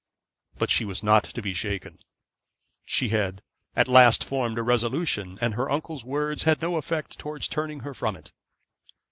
But she was not to be shaken. She had at last formed a resolution, and her uncle's words had no effect towards turning her from it.